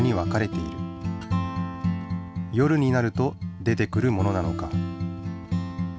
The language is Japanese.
夜になると出てくるものなのか？